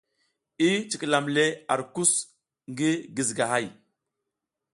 I cikilam le ar kus ngi gizigahay.